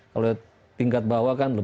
kalau tingkat bawah kan